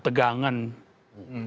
contohnya presiden soekarno partemanku